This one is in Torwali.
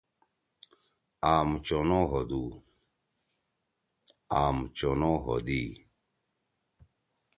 آم چونو ہودُی۔